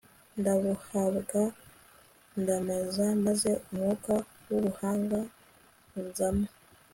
ndabuhabwa ; ndambaza maze umwuka w'ubuhanga unzamo